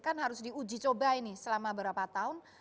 kan harus diuji coba ini selama berapa tahun